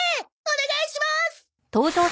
お願いします！